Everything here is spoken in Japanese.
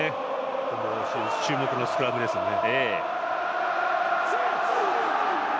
注目のスクラムですね。